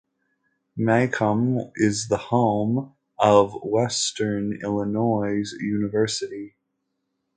Macomb is the home of Western Illinois University.